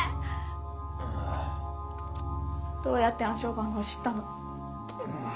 どうやって暗証番号を知ったの？